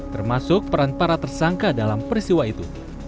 termasuk peran para tersangka dalam peristiwa itu